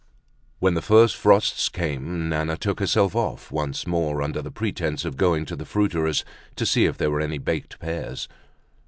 When the first frosts came Nana took herself off once more under the pretence of going to the fruiterer's to see if there were any baked pears.